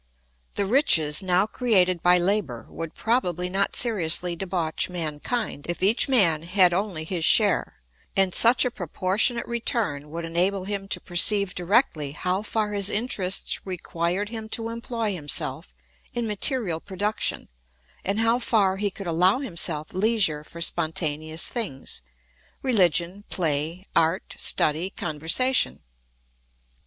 The riches now created by labour would probably not seriously debauch mankind if each man had only his share; and such a proportionate return would enable him to perceive directly how far his interests required him to employ himself in material production and how far he could allow himself leisure for spontaneous things—religion, play, art, study, conversation.